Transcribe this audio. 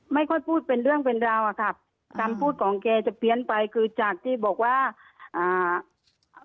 ไม่ค่อยพูดเป็นเรื่องเป็นราวอ่ะค่ะคำพูดของแกจะเพี้ยนไปคือจากที่บอกว่าอ่า